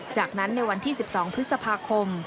จากนั้นในวันที่๑๒พฤษภาคม